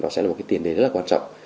sẽ là tiền đề rất quan trọng